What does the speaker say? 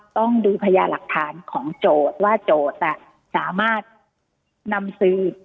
ต้องดูพญาหลักฐานของโจทย์ว่าโจทย์สามารถนำสืบ